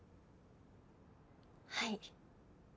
はい。